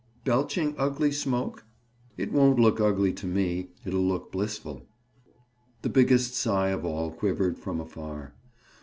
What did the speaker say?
"Belching ugly smoke?" "It won't look ugly to me. It'll look blissful." The biggest sigh of all quivered from afar.